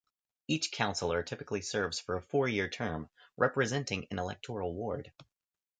Each councillor typically serves for a four-year term, representing an electoral ward.